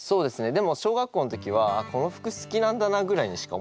でも小学校の時はこの服好きなんだなぐらいにしか思ってなくて。